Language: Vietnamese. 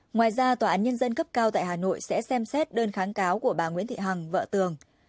ngoài ra tòa án nhân dân cấp cao tại hà nội sẽ xem xét đơn kháng cáo của bà nguyễn thị hằng vợ tường